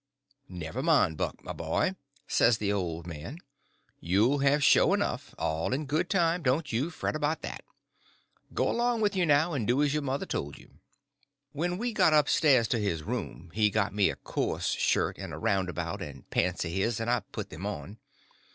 "Never mind, Buck, my boy," says the old man, "you'll have show enough, all in good time, don't you fret about that. Go 'long with you now, and do as your mother told you." When we got up stairs to his room he got me a coarse shirt and a roundabout and pants of his, and I put them on.